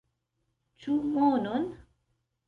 Ĉu monon?